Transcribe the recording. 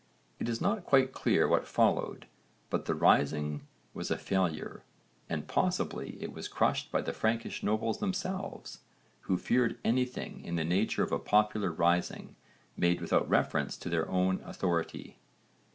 It is not quite clear what followed, but the rising was a failure, and possibly it was crushed by the Frankish nobles themselves who feared anything in the nature of a popular rising made without reference to their own authority.